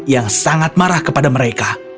yang sangat marah kepada mereka